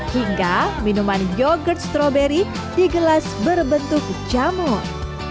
hingga minuman yogurt strawberry di gelas berbentuk camur